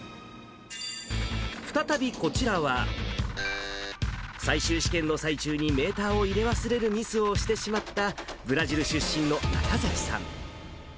再びこちらは、最終試験の最中にメーターを入れ忘れるミスをしてしまった、ブラジル出身の中崎さん。